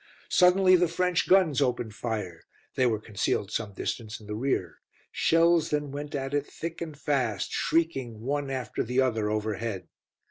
Suddenly the French guns opened fire; they were concealed some distance in the rear. Shells then went at it thick and fast, shrieking one after the other overhead.